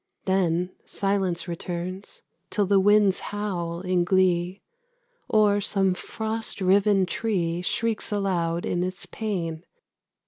Then silence returns, till the winds howl in glee, Or some frost riven tree Shrieks aloud in its pain.